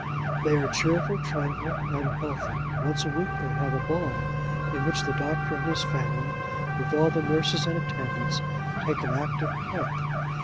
They are cheerful, tranquil, and healthy. Once a week they have a ball, in which the Doctor and his family, with all the nurses and attendants, take an active part.